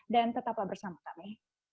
dan tetaplah bersama kami